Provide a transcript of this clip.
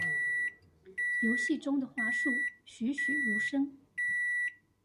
遊戲中的樺樹栩詡如生